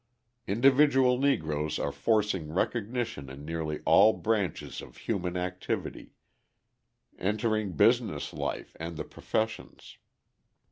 Individual Negroes are forcing recognition in nearly all branches of human activity, entering business life and the professions.